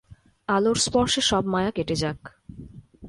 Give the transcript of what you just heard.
আলোর স্পর্শে সব মায়া কেটে যাক।